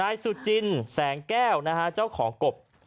นายสุจินแสงแก้วนะฮะเจ้าของกบ